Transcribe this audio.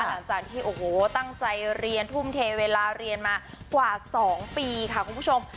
หลังจากที่โอ้โหตั้งใจเรียนทุ่มเทเวลาเรียนมากว่า๒ปีค่ะคุณผู้ชม